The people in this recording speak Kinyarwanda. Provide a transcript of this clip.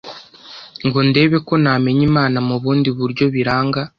ngo ndebe ko namenya Imana mu bundi buryo biranga